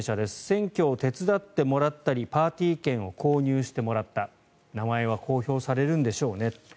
選挙を手伝ってもらったりパーティー券を購入してもらった名前は公表されるんでしょうねと。